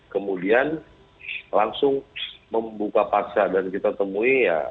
kemudian langsung membuka paksa dan kita temui ya